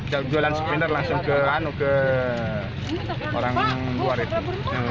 jauh jualan spinner langsung ke orang luar itu